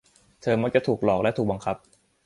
เธอมักจะถูกหลอกและถูกบังคับ